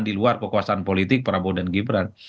di luar kekuasaan politik prabowo dan gibran